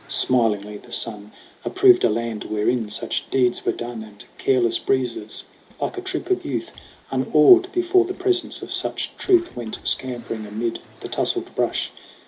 Smilingly the sun Approved a land wherein such deeds were done; And careless breezes, like a troop of youth, Unawed before the presence of such truth, Went scampering amid the tousled brush.